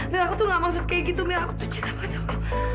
mil aku tuh nggak maksud kayak gitu mil aku tuh cinta banget sama kamu